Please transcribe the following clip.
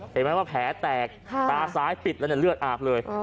เห็นไหมว่าแผลแตกตาซ้ายปิดแล้วเนี่ยเลือดอาบเลย